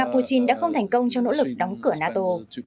putin đã không thành công trong nỗ lực đóng cửa nato